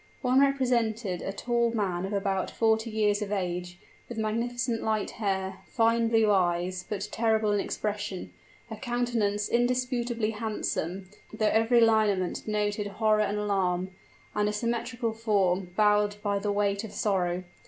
One represented a tall man of about forty years of age, with magnificent light hair fine blue eyes, but terrible in expression a countenance indisputably handsome, though every lineament denoted horror and alarm and a symmetrical form, bowed by the weight of sorrow.